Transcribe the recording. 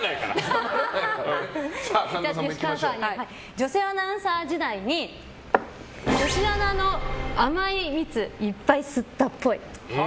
女性アナウンサー時代に女子アナの甘い蜜いっぱい吸ったっぽい。